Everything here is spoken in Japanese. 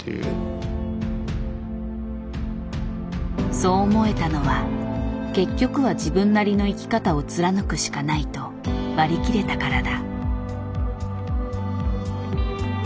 そう思えたのは結局は自分なりの生き方を貫くしかないと割り切れたからだ。